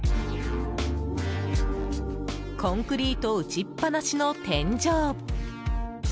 コンクリート打ちっぱなしの天井。